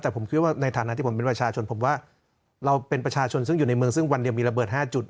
แต่ผมคิดว่าในฐานะที่ผมเป็นประชาชนผมว่าเราเป็นประชาชนซึ่งอยู่ในเมืองซึ่งวันเดียวมีระเบิด๕จุด